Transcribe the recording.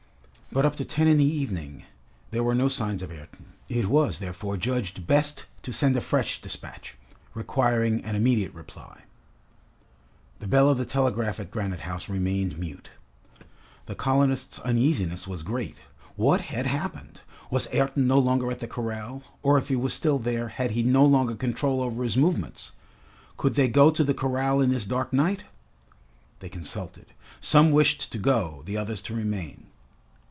But up to ten in the evening, there were no signs of Ayrton. It was, therefore, judged best to send a fresh despatch, requiring an immediate reply. The bell of the telegraph at Granite House remained mute. The colonists' uneasiness was great. What had happened? Was Ayrton no longer at the corral, or if he was still there, had he no longer control over his movements? Could they go to the corral in this dark night? They consulted. Some wished to go, the others to remain.